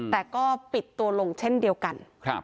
แต่ก็ปิดตัวลงเช่นเดียวกัน